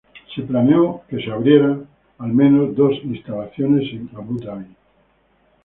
Se planeó que se abrieran al menos dos instalaciones en Abu Dabi.